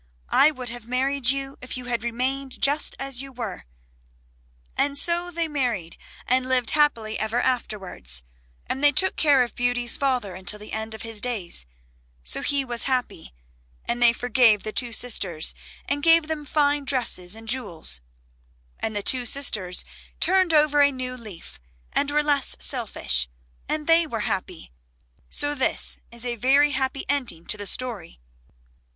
I would have married you if you had remained just as you were." And so they married and lived happy ever afterwards, and they took care of Beauty's father until the end of his days; so he was happy, and they forgave the two sisters and gave them fine dresses and jewels, and the two sisters turned over a new leaf and were less selfish, and they were happy, so this is a very happy ending to the story.